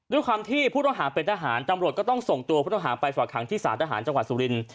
ด้วยความที่ผู้ต้องหาเป็นทหารตำรวจก็ต้องส่งตัวผู้ต้องหาไปฝากหางที่สารทหารจังหวัดสุรินทร์